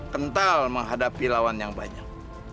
kental menghadapi lawan yang banyak